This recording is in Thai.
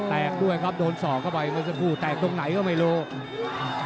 แตกด้วยครับโดนศอกเข้าไปเขาจะพูดแตกตรงไหนก็ไม่รู้